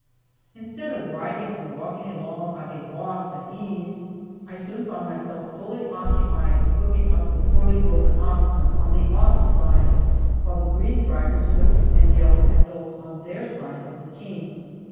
Instead of riding or walking along like a "boss" at ease, I soon found myself fully occupied in whipping up the poorly broken oxen on the off side, while the green drivers whipped and yelled at those on their side of the team.